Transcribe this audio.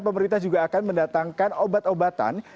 pemerintah juga akan mendatangkan obat obatan